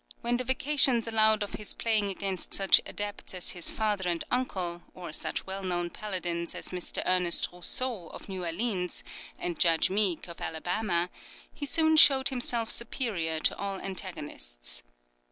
When the vacations allowed of his playing against such adepts as his father and uncle, or such well known paladins as Mr. Ernest Rousseau, of New Orleans, and Judge Meek, of Alabama, he soon showed himself superior to all antagonists.